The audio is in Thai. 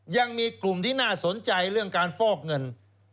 ยังมีกลุ่มที่น่าสนใจเรื่องการฟอกเงิน